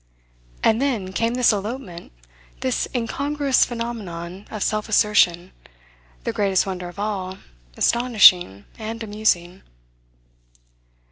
And then came this elopement, this incongruous phenomenon of self assertion, the greatest wonder of all, astonishing and amusing.